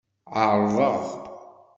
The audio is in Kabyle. Ɛerḍeɣ.